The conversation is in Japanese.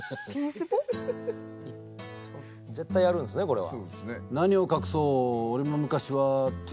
絶対やるんですねこれは。